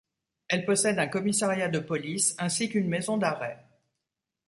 Elle possède un commissariat de police ainsi qu'une maison d'arrêt.